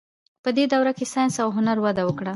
په دې دوره کې ساینس او هنر وده وکړه.